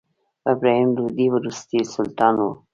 ابراهیم لودي وروستی سلطان و.